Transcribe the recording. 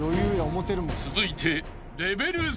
［続いて］